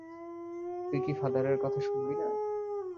তুই কী ফাদারের কথা শুনবি না?